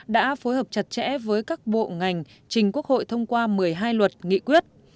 đã phối hợp chặt chẽ với các bộ ngành trình quốc hội thông qua một mươi hai luật nghị quyết